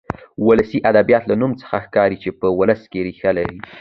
ولسي ادبيات له نوم څخه ښکاري چې په ولس کې ريښه لري.